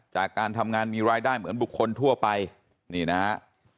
จากการทำงานมีรายได้เหมือนบุคคลทั่วไปนี่นะฮะ